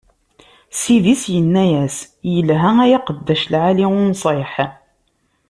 Ssid-is inna-as: Ilha, ay aqeddac lɛali, unṣiḥ!